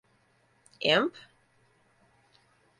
Imp.